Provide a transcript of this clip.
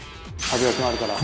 「味が決まるから」